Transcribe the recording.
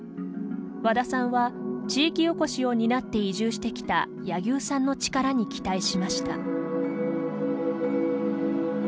和田さんは、地域おこしを担って移住してきた柳生さんの力に期待しました。